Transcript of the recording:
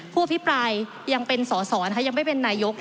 ผู้อภิปรายยังเป็นสอสอยังไม่เป็นนายก